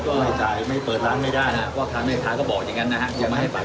ก็ไม่จ่ายไม่เปิดร้านไม่ได้นะฮะว่าค้าไม่จ่ายก็บอกอย่างนั้นนะฮะ